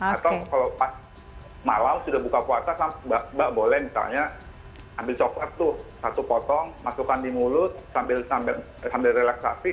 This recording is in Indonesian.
atau kalau pas malam sudah buka puasa mbak boleh misalnya ambil coklat tuh satu potong masukkan di mulut sambil relaksasi